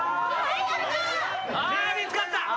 ああ見つかった！